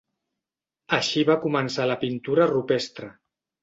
Així va començar la pintura rupestre.